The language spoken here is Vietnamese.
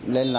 lên làm thấy